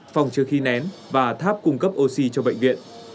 phòng chứa khí nén và tháp cung cấp oxy cho bệnh viện